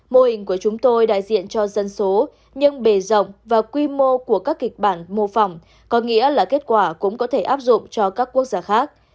mô hình của chúng tôi đại diện cho dân số nhưng bề rộng và quy mô của các kịch bản mô phỏng có nghĩa là kết quả cũng có thể áp dụng cho các quốc gia khác